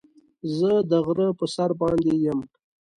زه د غره په سر باندې يم.